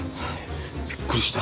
びっくりした